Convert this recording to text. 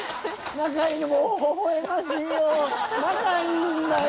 仲いいんだよ